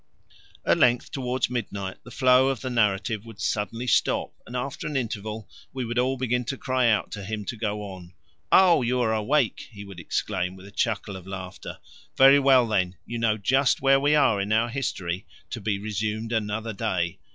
At length towards midnight the flow of the narrative would suddenly stop, and after an interval we would all begin to cry out to him to go on. "Oh, you are awake!" he would exclaim, with a chuckle of laughter. "Very well, then, you know just where we are in our history, to be resumed another day.